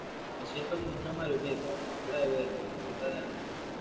Me siento como una marioneta- la mascota de Berry, la mascota de Anna.